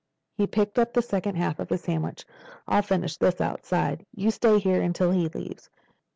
He picked up the second half of his sandwich. "I'll finish this outside. You stay here until he leaves."